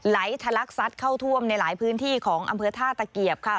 ทะลักซัดเข้าท่วมในหลายพื้นที่ของอำเภอท่าตะเกียบค่ะ